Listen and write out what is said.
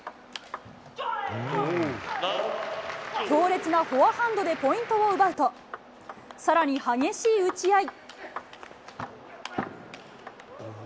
強烈なフォアハンドでポイントを奪うと更に、激しい打ち合い。